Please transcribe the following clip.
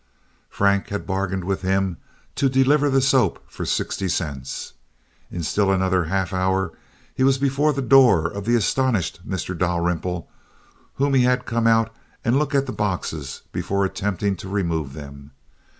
Frank had bargained with him to deliver the soap for sixty cents. In still another half hour he was before the door of the astonished Mr. Dalrymple whom he had come out and look at the boxes before attempting to remove them.